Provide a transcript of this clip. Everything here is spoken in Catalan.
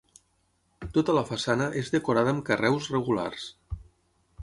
Tota la façana és decorada amb carreus regulars.